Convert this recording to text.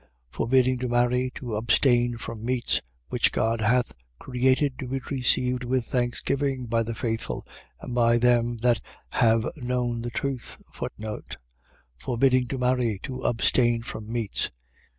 Forbidding to marry, to abstain from meats, which God hath created to be received with thanksgiving by the faithful and by them that have known the truth. Forbidding to marry, to abstain from meats.